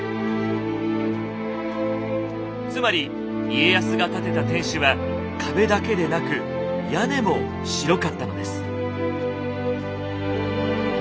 つまり家康が建てた天守は壁だけでなく屋根も白かったのです。